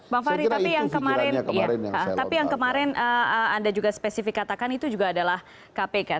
bang fahri tapi yang kemarin anda juga spesifik katakan itu juga adalah kpk